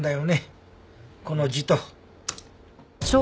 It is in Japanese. この字と。